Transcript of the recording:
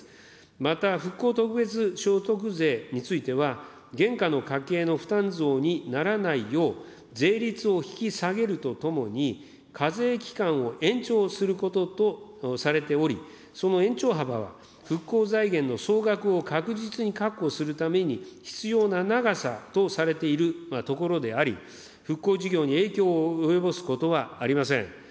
また復興特別所得税については、現下の家計の負担増にならないよう、税率を引き下げるとともに、課税期間を延長することとされており、その延長幅は、復興財源の総額を確実に確保するために必要な長さとされているところであり、復興事業に影響を及ぼすことはありません。